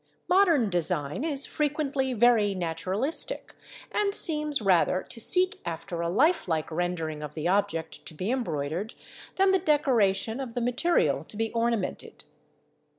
Modern design is frequently very naturalistic, and seems rather to seek after a life like rendering of the object to be embroidered than the decoration of the material to be ornamented.